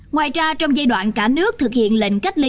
ngoài ra trong giai đoạn cả nước thực hiện lệnh cách ly